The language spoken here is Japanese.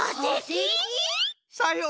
さよう。